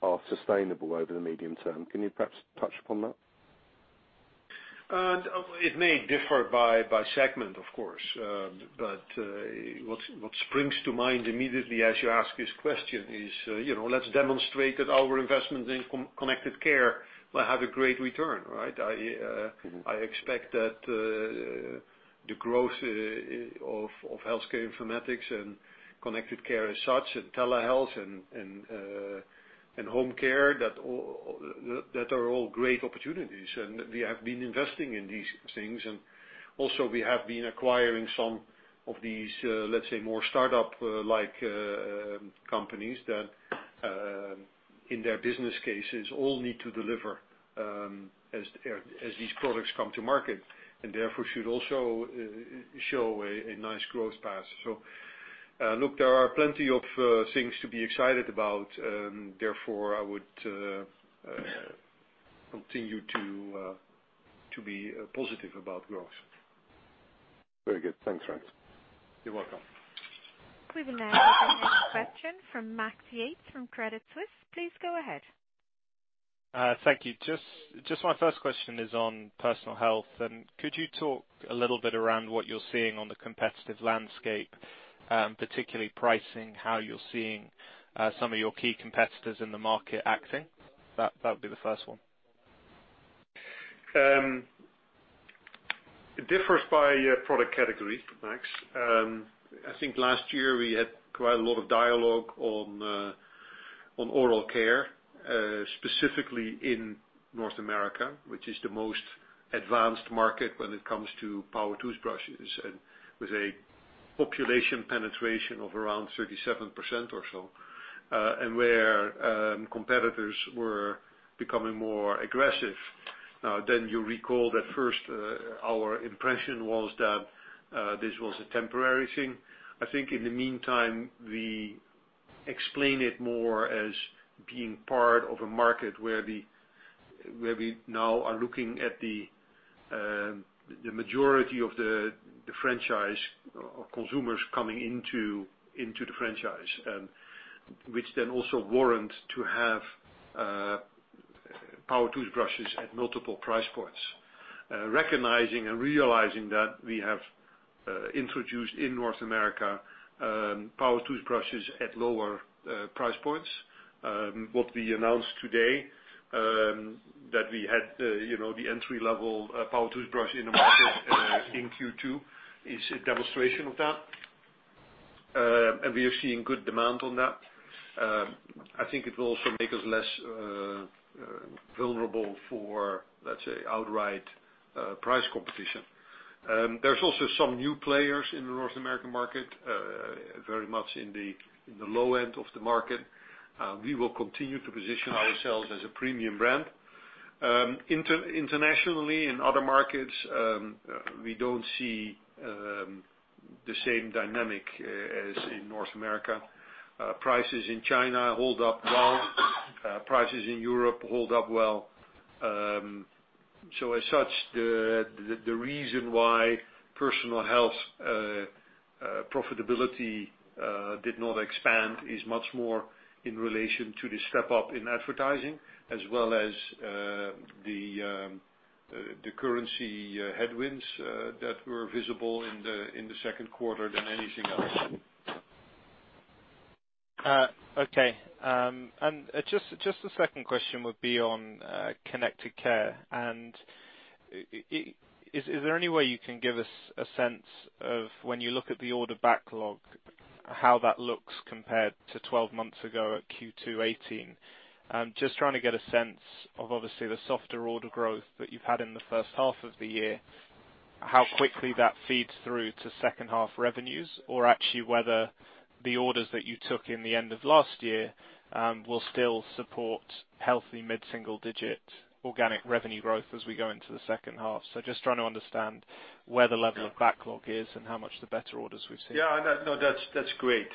are sustainable over the medium term? Can you perhaps touch upon that? It may differ by segment, of course. What springs to mind immediately as you ask this question is, let's demonstrate that our investments in connected care will have a great return, right? I expect that the growth of healthcare informatics and connected care as such, and telehealth and home care, that are all great opportunities, and we have been investing in these things. Also we have been acquiring some of these, let's say, more startup-like companies that, in their business cases, all need to deliver as these products come to market, and therefore should also show a nice growth path. Look, there are plenty of things to be excited about, therefore I would continue to be positive about growth. Very good. Thanks, Frans. You're welcome. We will now take another question from Max Yates from Credit Suisse. Please go ahead. Thank you. Just my first question is on Personal Health. Could you talk a little bit around what you're seeing on the competitive landscape, particularly pricing, how you're seeing some of your key competitors in the market acting? That would be the first one. It differs by product category, Max. I think last year we had quite a lot of dialogue on oral care, specifically in North America, which is the most advanced market when it comes to power toothbrushes, and with a population penetration of around 37% or so, and where competitors were becoming more aggressive. Now, you recall that first our impression was that this was a temporary thing. I think in the meantime, we explain it more as being part of a market where we now are looking at the majority of the franchise of consumers coming into the franchise, and which then also warrant to have power toothbrushes at multiple price points. Recognizing and realizing that, we have introduced in North America, power toothbrushes at lower price points. What we announced today, that we had the entry level power toothbrush in the market in Q2 is a demonstration of that. We are seeing good demand on that. I think it will also make us less vulnerable for, let's say, outright price competition. There's also some new players in the North American market, very much in the low end of the market. We will continue to position ourselves as a premium brand. Internationally, in other markets, we don't see the same dynamic as in North America. Prices in China hold up well, prices in Europe hold up well. As such, the reason why Personal Health profitability did not expand is much more in relation to the step up in advertising as well as the currency headwinds that were visible in the second quarter than anything else. Just the second question would be on Connected Care, and is there any way you can give us a sense of when you look at the order backlog, how that looks compared to 12 months ago at Q2 2018? Just trying to get a sense of obviously the softer order growth that you've had in the first half of the year, how quickly that feeds through to second half revenues. Or actually whether the orders that you took in the end of last year will still support healthy mid-single digit organic revenue growth as we go into the second half? Just trying to understand where the level of backlog is and how much the better orders we've seen. That's great.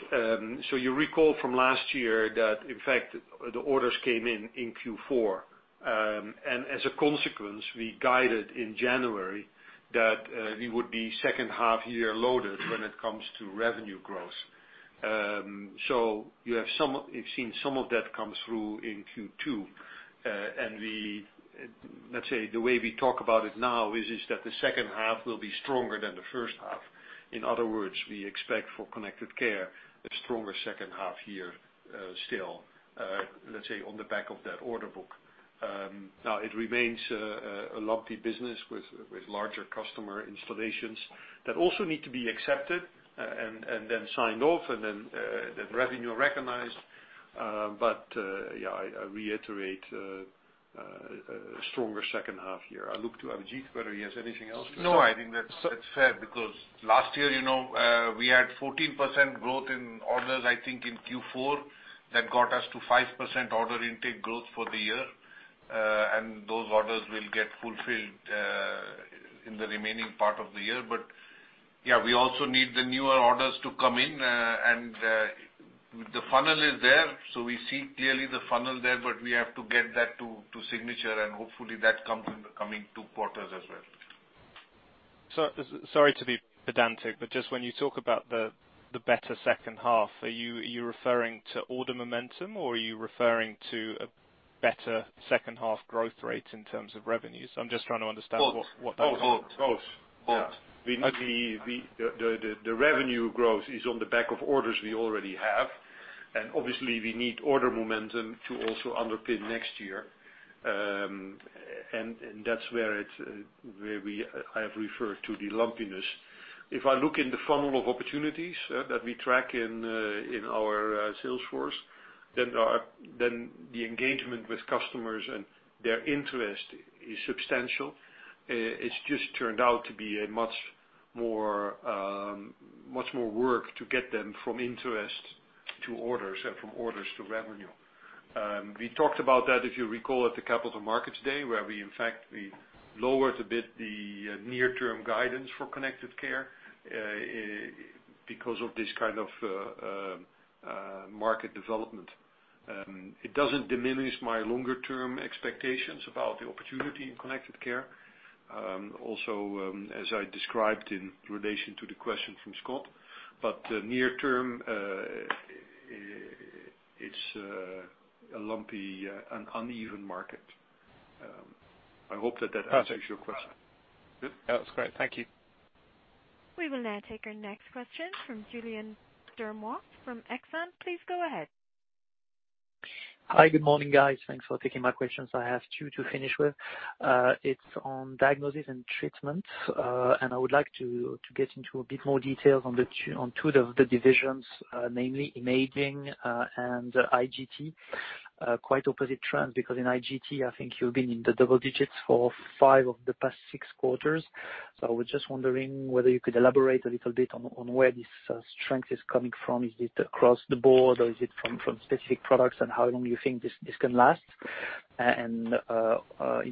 You recall from last year that in fact, the orders came in Q4. As a consequence, we guided in January that we would be second half year loaded when it comes to revenue growth. You've seen some of that come through in Q2. Let's say the way we talk about it now is that the second half will be stronger than the first half. In other words, we expect for Connected Care stronger second half year, still, let's say, on the back of that order book. Now, it remains a lumpy business with larger customer installations that also need to be accepted and then signed off and then revenue recognized. I reiterate, a stronger second half year. I look to Abhijit, whether he has anything else to say. I think that's fair because last year, we had 14% growth in orders, I think, in Q4. That got us to 5% order intake growth for the year. Those orders will get fulfilled in the remaining part of the year. We also need the newer orders to come in, and the funnel is there. We see clearly the funnel there, but we have to get that to signature, and hopefully, that comes in the coming two quarters as well. Sorry to be pedantic, when you talk about the better second half, are you referring to order momentum, or are you referring to a better second half growth rate in terms of revenues? Both. Both. Both. The revenue growth is on the back of orders we already have. Obviously, we need order momentum to also underpin next year. That's where I have referred to the lumpiness. If I look in the funnel of opportunities that we track in our sales force, the engagement with customers and their interest is substantial. It's just turned out to be a much more work to get them from interest to orders and from orders to revenue. We talked about that, if you recall, at the Capital Markets Day, where we, in fact, lowered a bit the near-term guidance for Connected Care, because of this kind of market development. It doesn't diminish my longer-term expectations about the opportunity in Connected Care. As I described in relation to the question from Scott, near term, it's a lumpy, uneven market. I hope that answers your question. That's great. Thank you. We will now take our next question from Julien Dormois from Exane. Please go ahead. Good morning, guys. Thanks for taking my questions. I have two to finish with. It's on Diagnosis & Treatment. I would like to get into a bit more details on two of the divisions, namely imaging and IGT. Quite opposite trend, because in IGT, I think you've been in the double digits for five of the past six quarters. I was just wondering whether you could elaborate a little bit on where this strength is coming from. Is it across the board, or is it from specific products, and how long do you think this can last? In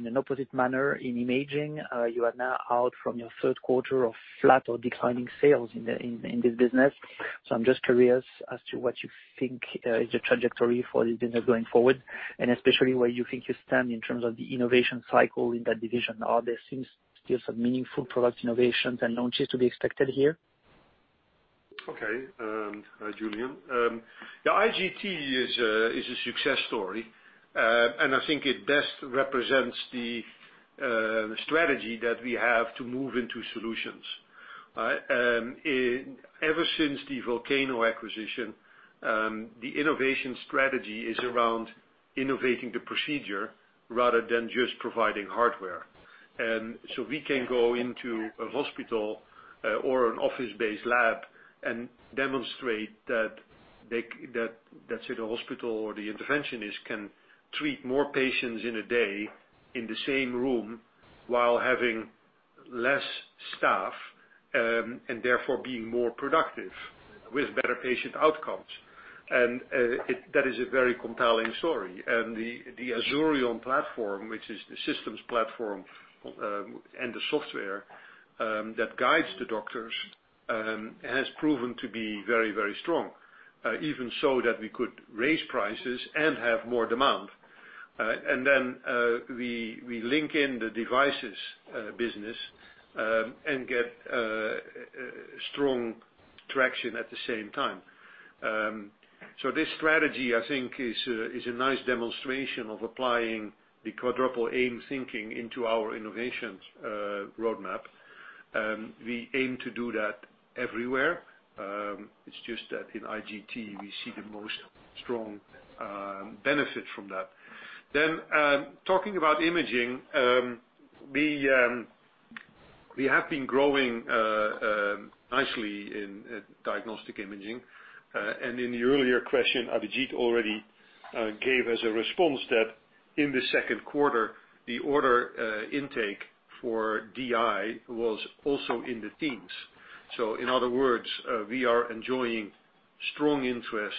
an opposite manner, in imaging, you are now out from your third quarter of flat or declining sales in this business. I'm just curious as to what you think is the trajectory for this business going forward, and especially where you think you stand in terms of the innovation cycle in that division. Are there still some meaningful product innovations and launches to be expected here? Hi, Julien. IGT is a success story. I think it best represents the strategy that we have to move into solutions. Ever since the Volcano acquisition, the innovation strategy is around innovating the procedure rather than just providing hardware. We can go into a hospital or an office-based lab and demonstrate that, say, the hospital or the interventionist can treat more patients in a day in the same room while having less staff, and therefore being more productive with better patient outcomes. That is a very compelling story. The Azurion platform, which is the systems platform, and the software that guides the doctors, has proven to be very strong. Even so that we could raise prices and have more demand. We link in the devices business and get strong traction at the same time. This strategy, I think, is a nice demonstration of applying the Quadruple Aim thinking into our innovations roadmap. We aim to do that everywhere. It's just that in IGT, we see the most strong benefit from that. Talking about imaging, we have been growing nicely in diagnostic imaging. In the earlier question, Abhijit already gave as a response that in the second quarter, the order intake for DI was also in the teens. In other words, we are enjoying strong interest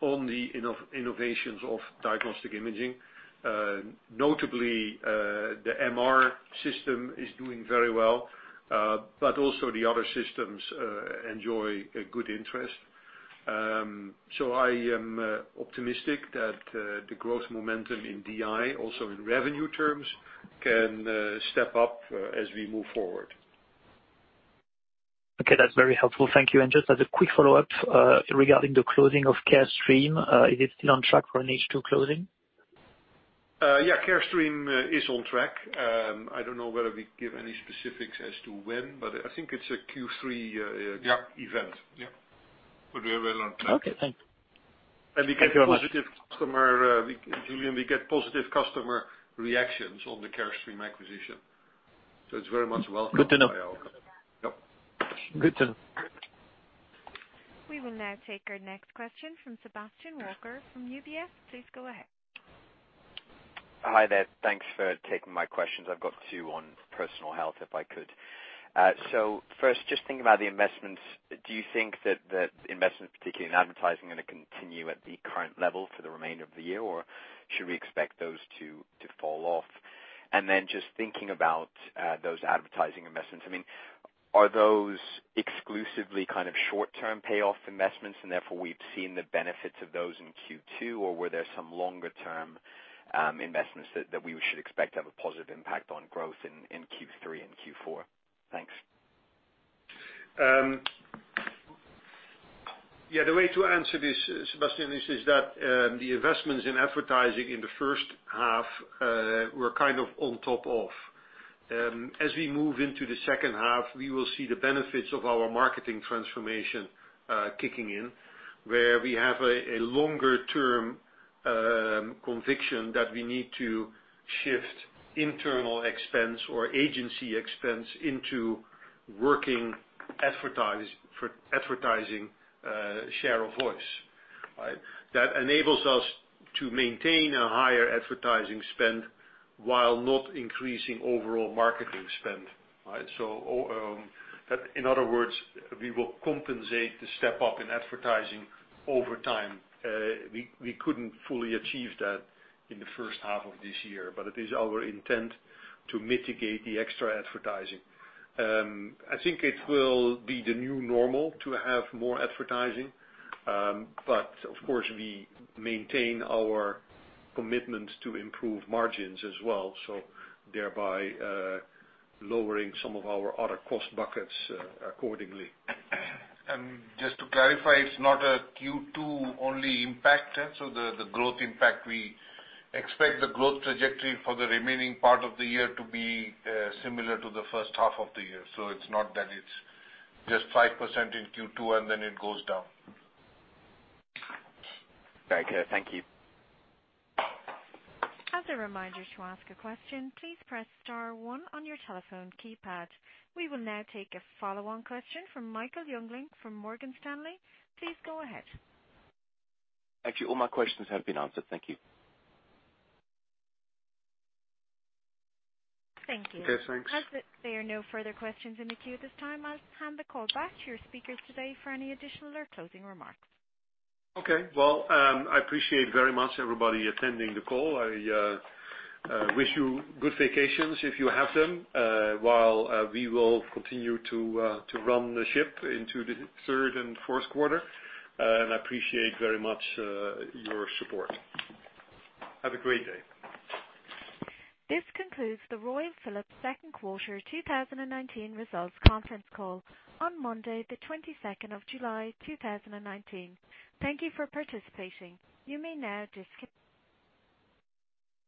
on the innovations of diagnostic imaging. Notably, the MR system is doing very well, but also the other systems enjoy a good interest. I am optimistic that the growth momentum in DI, also in revenue terms, can step up as we move forward. That's very helpful. Thank you. Just as a quick follow-up, regarding the closing of Carestream, is it still on track for an H2 closing? Carestream is on track. I don't know whether we give any specifics as to when, but I think it's a Q3 event. We're well on track. Okay, thanks. We get positive customer reactions on the Carestream acquisition. It's very much welcomed by all. Good to know. We will now take our next question from Sebastian Walker from UBS. Please go ahead. Hi there. Thanks for taking my questions. I've got two on personal health, if I could. First, just thinking about the investments, do you think that investments, particularly in advertising, are going to continue at the current level for the remainder of the year, or should we expect those to fall off? Just thinking about those advertising investments, are those exclusively short-term payoff investments and therefore we've seen the benefits of those in Q2, or were there some longer-term investments that we should expect to have a positive impact on growth in Q3 and Q4? Thanks. The way to answer this, Sebastian, is that the investments in advertising in the first half were kind of on top off. We move into the second half, we will see the benefits of our marketing transformation kicking in, where we have a longer-term conviction that we need to shift internal expense or agency expense into working advertising share of voice. That enables us to maintain a higher advertising spend while not increasing overall marketing spend. In other words, we will compensate the step up in advertising over time. We couldn't fully achieve that in the first half of this year, but it is our intent to mitigate the extra advertising. I think it will be the new normal to have more advertising, but of course, we maintain our commitment to improve margins as well, so thereby lowering some of our other cost buckets accordingly. Just to clarify, it's not a Q2 only impact. The growth impact, we expect the growth trajectory for the remaining part of the year to be similar to the first half of the year. It's not that it's just 5% in Q2 and then it goes down. Thank you. As a reminder, to ask a question, please press star one on your telephone keypad. We will now take a follow-on question from Michael Jüngling from Morgan Stanley. Please go ahead. Actually, all my questions have been answered. Thank you. Thank you. Thanks. As there are no further questions in the queue at this time, I'll hand the call back to your speakers today for any additional or closing remarks. Well, I appreciate very much everybody attending the call. I wish you good vacations if you have them, while we will continue to run the ship into the third and fourth quarter. I appreciate very much your support. Have a great day. This concludes the Royal Philips second quarter 2019 results conference call on Monday, the 22nd of July, 2019. Thank you for participating. You may now disconnect.